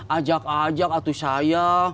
ajak ajak atuh saya